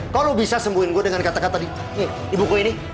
kok lo bisa sembuhin gue dengan kata kata di buku ini